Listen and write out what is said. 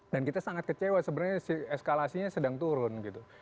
dan kita sangat kecewa sebenarnya eskalasinya sedang turun